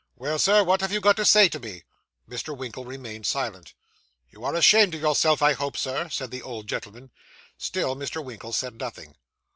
'Well, Sir, what have you got to say to me?' Mr. Winkle remained silent. 'You are ashamed of yourself, I hope, Sir?' said the old gentleman. Still Mr. Winkle said nothing.